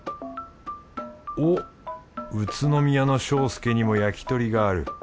おっ宇都宮の庄助にも焼き鳥がある。